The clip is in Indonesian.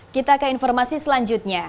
kita ke informasi selanjutnya